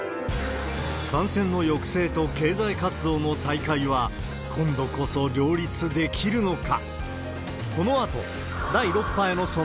感染の抑制と経済活動の再開は今度こそ両立できるのか。